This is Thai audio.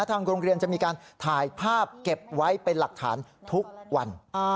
ทางโรงเรียนจะมีการถ่ายภาพเก็บไว้เป็นหลักฐานทุกวัน